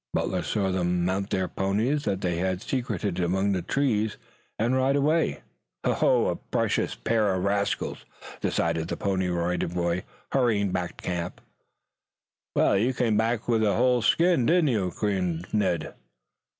Butler saw them mount their ponies that had been secreted in among the trees and ride away. "A precious pair of rascals," decided the Pony Rider Boy, hurrying back to camp. "Well, you came back with a whole skin, did you?" grinned Ned.